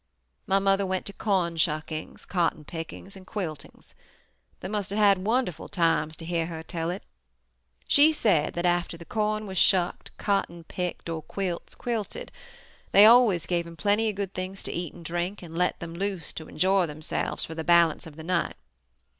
"My mother went to cornshuckings, cotton pickings, and quiltings. They must have had wonderful times, to hear her tell it. She said that after the corn was shucked, cotton picked, or quilts quilted, they always gave them plenty of good things to eat and drink and let them aloose to enjoy themselves for the balance of the night.